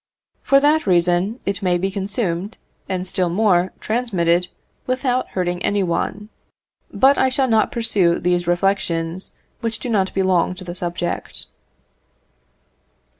For that reason it may be consumed, and, still more, transmitted, without hurting any one; but I shall not pursue these reflections, which do not belong to the subject.